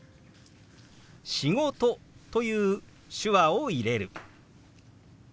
「仕事」という手話を入れる。